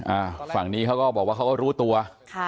อ่าฝั่งนี้เขาก็บอกว่าเขาก็รู้ตัวค่ะ